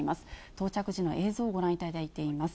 到着時の映像をご覧いただいています。